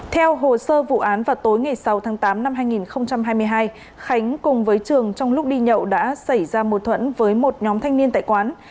theo hồ sơ vụ án vào tối ngày sáu tháng tám năm hai nghìn hai mươi hai khánh cùng với trường trong lúc đi nhậu đã xảy ra mâu thuẫn với một nhóm thanh niên tại quán